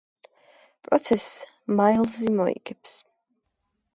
პროცესს მაილზი მოიგებს.